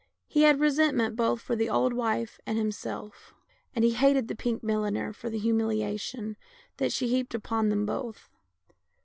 He had resentment both for the old wife and himself, and he hated the pink milliner for the humiliation that she heaped upon them both.